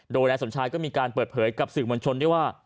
โดยนายสมชายก็มีการเปิดเผยกับสื่อมวลชนด้วยว่า